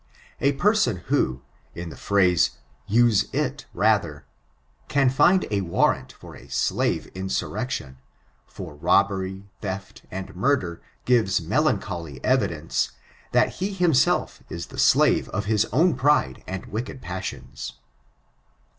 A person who, in the phrase, "use it rather," can find a warrant for a slave insurrection — £>r robbery, theft, and murder, gives melancholy evidence, that he himself is the slave of his own pride and vricked passions.